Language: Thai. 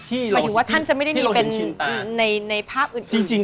หมายถึงว่าท่านจะไม่ได้มีเป็นในภาพอื่น